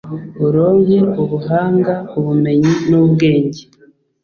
uronke ubuhanga ubumenyi n’ubwenge